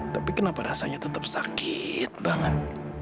tapi kenapa rasanya tetap sakit banget